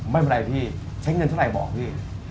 ไม่เป็นไรพี่ใช้เงินเท่าไหร่บอกพี่